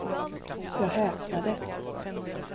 Jag häpnade.